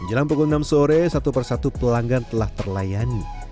menjelang pukul enam sore satu persatu pelanggan telah terlayani